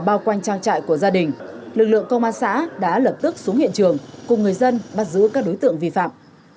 bao quanh trang trại của gia đình lực lượng công an xã đã lập tức xuống hiện trường cùng người dân bắt giữ các đối tượng vi phạm